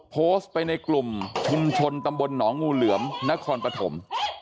โพสต์ไปในกลุ่มชุมชนตำบลหนองงูเหลือมนครปฐม